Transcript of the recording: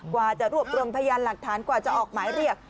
กว่าจะรวบรวมพยานหลักฐานกว่าจะออกหมายเรียก